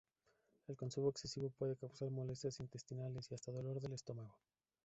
El consumo excesivo puede causar molestias intestinales, y hasta dolor de estómago.